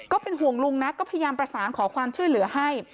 ก็เป็นห่วงลุงนะก็พยายามประสานขอความช่วยเหลือให้